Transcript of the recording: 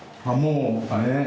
あもうね。